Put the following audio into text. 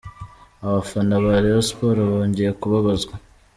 Abafana ba Rayon Sports bongeye kubabazwa .